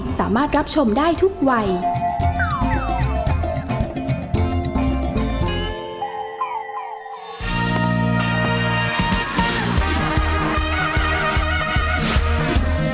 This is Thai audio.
แม่บ้านประจำบาน